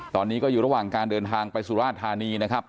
ตอนนี้ก็อยู่ระหว่างการเดินทางไปสุราชธานีนะครับ